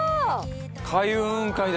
開運雲海だ。